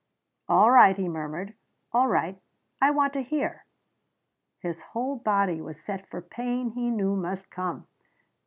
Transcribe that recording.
"All right," he murmured. "All right. I want to hear." His whole body was set for pain he knew must come.